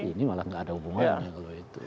ini malah nggak ada hubungannya kalau itu